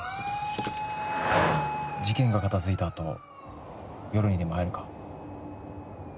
事件が片付いた後夜にでも会えるか？